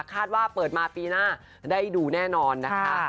คาดว่าเปิดมาปีหน้าได้ดูแน่นอนนะคะ